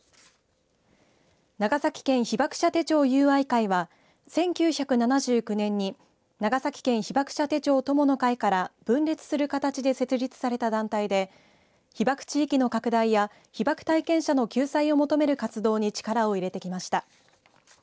長崎県被爆者手帳友愛会は１９７９年に長崎県被爆者手帳友の会から分裂する形で設立された団体で被爆地域の拡大や被爆体験者の救済を求める活動に力を入れてきました。